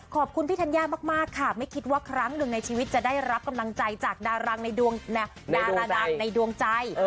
ขอบคุณพี่ธัญญามากค่ะไม่คิดว่าครั้งหนึ่งในชีวิตจะได้รับกำลังใจจากดารางในดาราดังในดวงใจ